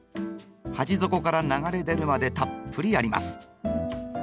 鉢底から流れ出るまでたっぷりやります。